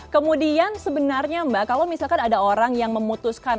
kemudian sebenarnya mbak kalau misalkan ada orang yang memutuskan